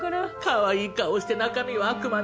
かわいい顔して中身は悪魔ね。